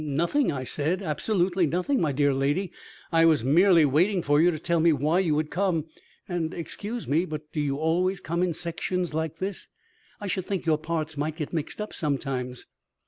"Nothing," I said. "Absolutely nothing. My dear lady, I was merely waiting for you to tell me why you had come. And excuse me, but do you always come in sections like this? I should think your parts might get mixed up sometimes."